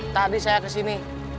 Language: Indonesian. tadi saya kesini